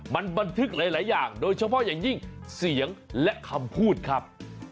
มันบันทึกหลายอย่างโดยเฉพาะอย่างยิ่งเสียงและคำพูดครับ